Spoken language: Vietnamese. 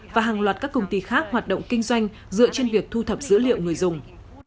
và hàng loạt các công ty khác hoạt động kinh doanh dựa trên việc thu thập dữ liệu người dùng